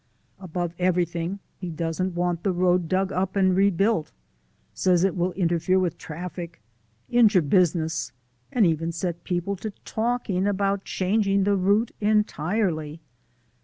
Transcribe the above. Above everything, he doesn't want the road dug up and rebuilt says it will interfere with traffic, injure business, and even set people to talking about changing the route entirely!